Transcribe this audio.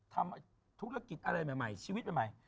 ทำธุรกิจอะไรใหม่ชีวิตใหม่